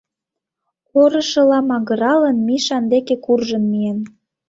Орышыла магыралын, Мишан деке куржын миен.